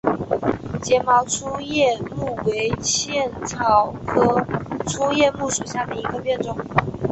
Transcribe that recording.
睫毛粗叶木为茜草科粗叶木属下的一个变种。